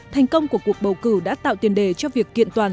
thành công của cuộc bầu cử đã tạo tiền đề cho việc kiện toàn